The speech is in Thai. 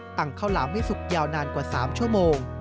งข้าวหลามให้สุกยาวนานกว่า๓ชั่วโมง